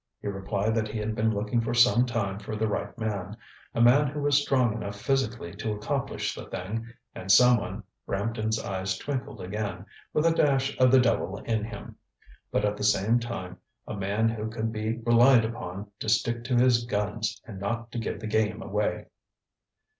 He replied that he had been looking for some time for the right man; a man who was strong enough physically to accomplish the thing, and someoneŌĆØ Bampton's eyes twinkled again ŌĆ£with a dash of the devil in him, but at the same time a man who could be relied upon to stick to his guns and not to give the game away.